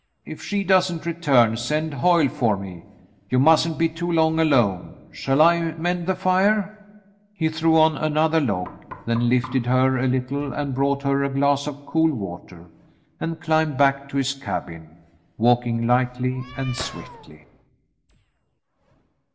If she doesn't return, send Hoyle for me. You mustn't be too long alone. Shall I mend the fire .^" He threw on another log, then lifted her a little and brought her a glass of cool water, and climbed back to his cabin, walking hghtly and swiftly.